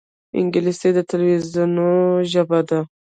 انګلیسي د تلویزونونو ژبه ده